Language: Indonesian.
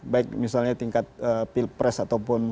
baik misalnya tingkat pilpres ataupun